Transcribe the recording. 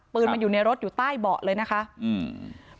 ปืนมันอยู่ในรถอยู่ใต้เบาะเลยนะคะอืม